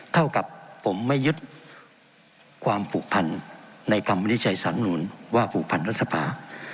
เท่ากับผมไม่ยึดความผูกพันในกรรมนิจฉัยสารรำนูลว่าผูกพันรสภา